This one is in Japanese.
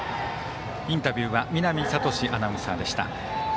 インタビューは見浪哲史アナウンサーでした。